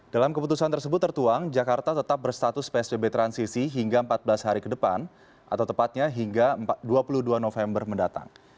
dalam keputusan tersebut tertuang jakarta tetap berstatus psbb transisi hingga empat belas hari ke depan atau tepatnya hingga dua puluh dua november mendatang